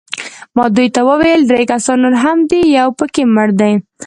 ما دوی ته وویل: درې کسان نور هم دي، یو پکښې مړ دی.